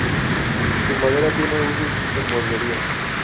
Su madera tiene usos en mueblería.